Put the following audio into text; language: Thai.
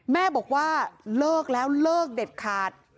แม่บอกว่าเลิกแล้วเลิกเด็ดขาด